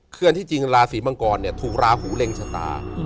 คือที่จริงราศีมังกรเนี่ยถูกราหูเล็งชะตา